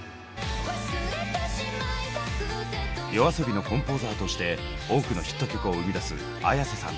ＹＯＡＳＯＢＩのコンポーザーとして多くのヒット曲を生みだすＡｙａｓｅさん。